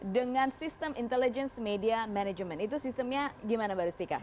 dengan sistem intelligence media management itu sistemnya gimana mbak rustika